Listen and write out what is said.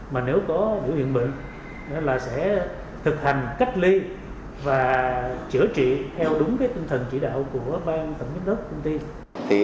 mà nếu có biểu hiện bệnh sẽ thực hành cách ly và chữa trị theo đúng tinh thần chỉ đạo của bang tầng nhất lớp công ty